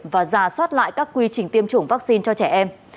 và giả soát lại các quy trình tiêm chủng vaccine cho trẻ em